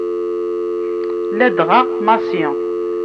Ladɣa Massi.